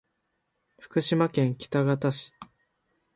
福島県喜多方市